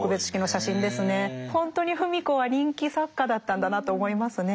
ほんとに芙美子は人気作家だったんだなと思いますねえ。